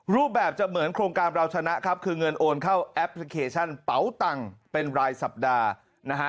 รูปแบบจะเหมือนโครงการเราชนะครับคือเงินโอนเข้าแอปพลิเคชันเป๋าตังค์เป็นรายสัปดาห์นะฮะ